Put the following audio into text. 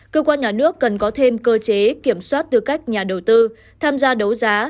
cơ quan nhà nước cần có thêm cơ chế kiểm soát tư cách nhà đầu tư tham gia đấu giá